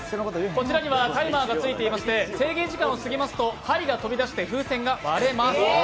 こちらにはタイマーがついていまして制限時間が過ぎますと針が飛び出して風船が割れます。